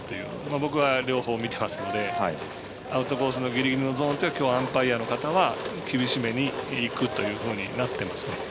僕は両方見てますのでアウトコースのギリギリのゾーンはきょう、アンパイアの方は厳しめにいくというふうになっています。